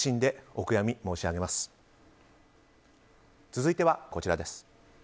続いては、こちらです。